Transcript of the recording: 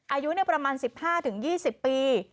อายุประมาณ๑๕๒๐ปี